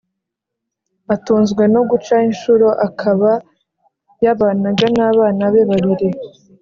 atunzwe no guca inshuro akaba yabanaga n’abana be babiri